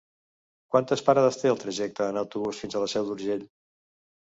Quantes parades té el trajecte en autobús fins a la Seu d'Urgell?